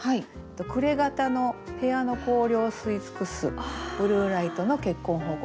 「暮れ方の部屋の光量吸い尽くすブルーライトの結婚報告」って。